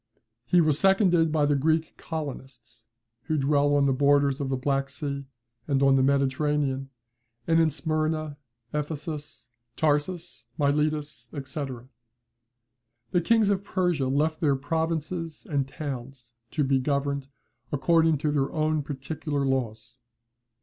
He was seconded by the Greek colonists, who dwelt on the borders of the Black Sea, and on the Mediterranean, and in Smyrna, Ephesus, Tarsus, Miletus, &c. The kings of Persia left their provinces and towns to be governed according to their own particular laws.